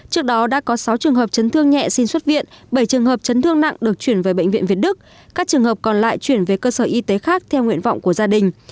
trước đó đã có sáu trường hợp chấn thương nhẹ xin xuất viện bảy trường hợp chấn thương nặng được chuyển về bệnh viện việt đức các trường hợp còn lại chuyển về cơ sở y tế khác theo nguyện vọng của gia đình